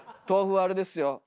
豆腐はあれですよ